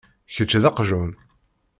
Kečč d aqjun.